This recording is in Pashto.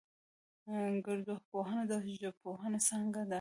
گړدود پوهنه د ژبپوهنې څانگه ده